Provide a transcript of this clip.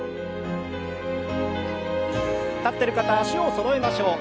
立ってる方は脚をそろえましょう。